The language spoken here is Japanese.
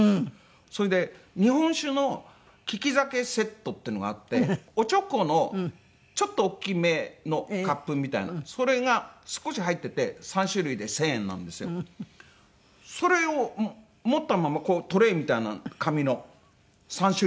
それで日本酒の利き酒セットっていうのがあっておちょこのちょっと大きめのカップみたいなそれが少し入ってて３種類で１０００円なんですよ。それを持ったままトレーみたいな紙の３種類ですから。